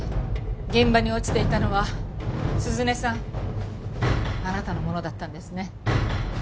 現場に落ちていたのは涼音さんあなたのものだったんですね。